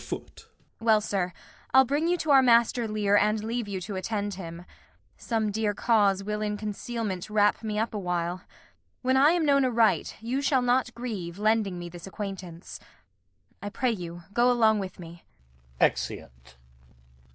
Well, sir, I'll bring you to our master Lear And leave you to attend him. Some dear cause Will in concealment wrap me up awhile. When I am known aright, you shall not grieve Lending me this acquaintance. I pray you go Along with me. Exeunt.